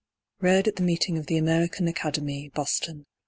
Read at the meeting of the American Academy, Boston.